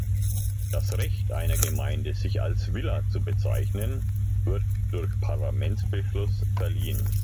Das Recht einer Gemeinde, sich als Vila zu bezeichnen, wird durch Parlamentsbeschluss verliehen.